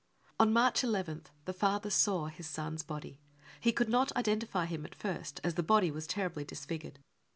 On March 1 1 th the father saw his son's body. He could not identify him at first, as the body was terribly disfigured.